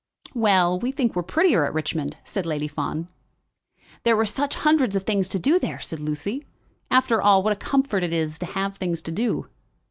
"Well; we think we're prettier at Richmond," said Lady Fawn. "There were such hundreds of things to do there," said Lucy. "After all, what a comfort it is to have things to do."